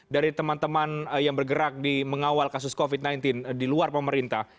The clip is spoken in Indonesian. dari teman teman yang bergerak di mengawal kasus covid sembilan belas di luar pemerintah